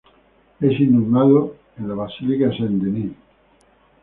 Es inhumado en la Basílica de Saint-Denis.